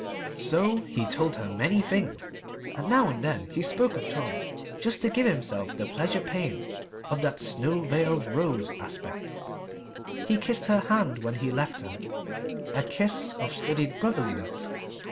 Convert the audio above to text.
So he told her many things. And now and then he spoke of Tom, just to give himself the pleasure pain of that snow veiled rose aspect. He kissed her hand when he left her a kiss of studied brotherliness.